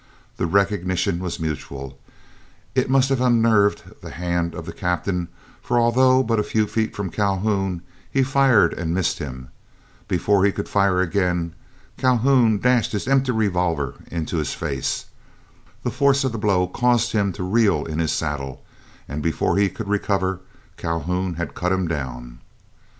The recognition was mutual, and it must have unnerved the hand of the Captain, for although but a few feet from Calhoun, he fired and missed him. Before he could fire again, Calhoun dashed his empty revolver into his face. The force of the blow caused him to reel in his saddle, and before he could recover, Calhoun had cut him down.